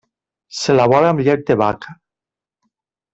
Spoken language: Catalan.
S'elabora amb llet de vaca.